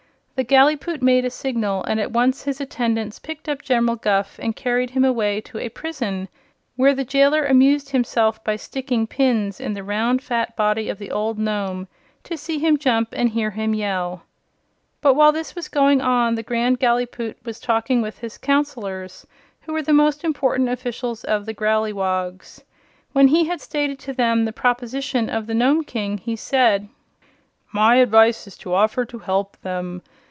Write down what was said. The Gallipoot made a signal and at once his attendants picked up General Guph and carried him away to a prison, where the jailer amused himself by sticking pins in the round fat body of the old Nome, to see him jump and hear him yell. But while this was going on the Grand Gallipoot was talking with his counselors, who were the most important officials of the Growleywogs. When he had stated to them the proposition of the Nome King, he said: "My advice is to offer to help them.